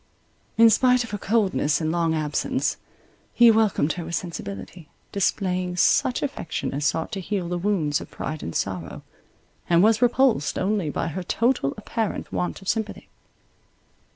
In spite of her coldness and long absence, he welcomed her with sensibility, displaying such affection as sought to heal the wounds of pride and sorrow, and was repulsed only by her total apparent want of sympathy.